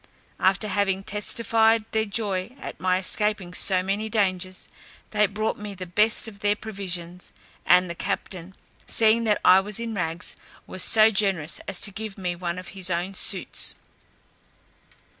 After having testified their joy at my escaping so many dangers, they brought me the best of their provisions; and the captain, seeing that I was in rags, was so generous as to give me one of his own suits.